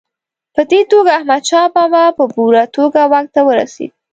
په دې توګه احمدشاه بابا په پوره توګه واک ته ورسېد.